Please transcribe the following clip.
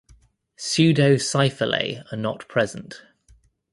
Pseudocyphellae are not present.